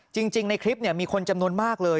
จริงในคลิปมีคนจำนวนมากเลย